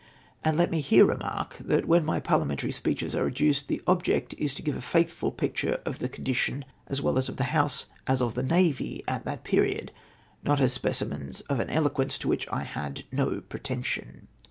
And let me here remark, that when my parliamentary speeches are adduced, the object is to give a faithful pictm^e of the condition as well of the House as of the Navy at that period, not as specimens of an eloquence to which I had no pretension.